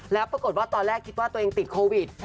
แล้วปรากฏว่าตอนแรกคิดว่าตัวเองติดโควิด